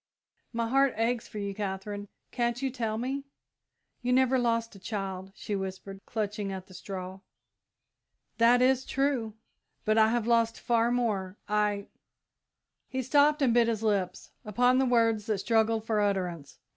"My heart aches for you, Katherine can't you tell me?" "You never lost a child," she whispered, clutching at the straw. "That is true, but I have lost far more. I " He stopped and bit his lips upon the words that struggled for utterance.